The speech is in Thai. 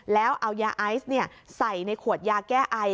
แล้วเอายาไอซ์ใส่ในขวดยาแก้ไอ